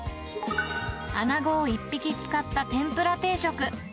アナゴを１匹使った天ぷら定食。